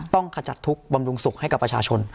ขจัดทุกข์บำรุงสุขให้กับประชาชน